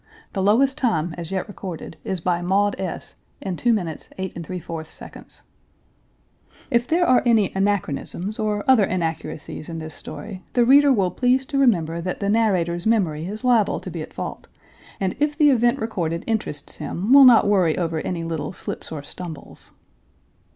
The lowest time as yet recorded is by Maud S. in 2.08 3/4. If there are any anachronisms or other inaccuracies in this story, the reader will please to remember that the narrator's memory is liable to be at fault, and if the event recorded interests him, will not worry over any little slips or stumbles.